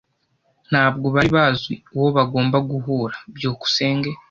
Ntabwo bari bazi uwo bagomba guhura. byukusenge